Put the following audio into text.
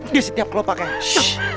dia setiap kelopaknya